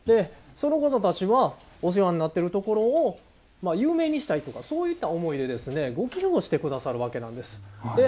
その方たちはお世話になっているところを有名にしたいとかそういった思いでご寄付をしてくださるわけなんです。